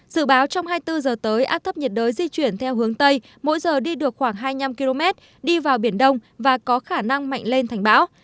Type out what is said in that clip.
dự báo trong hai mươi bốn giờ tới áp thấp nhiệt đới di chuyển theo hướng tây mỗi giờ đi được khoảng hai mươi năm km đi vào biển đông và có khả năng mạnh lên thành bão